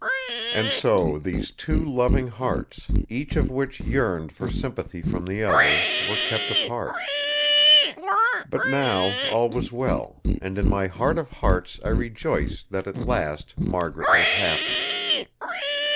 And so these two loving hearts, each of which yearned for sympathy from the other, were kept apart. But now all was well, and in my heart of hearts I rejoiced that at last Margaret was happy.